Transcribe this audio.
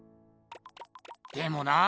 でもなあ